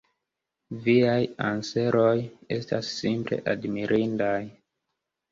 Viaj anseroj estas simple admirindaj.